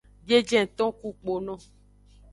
Biejenton ku kpono.